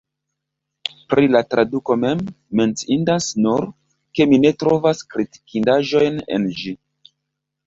Pri la traduko mem, menciindas nur, ke mi ne trovas kritikindaĵojn en ĝi.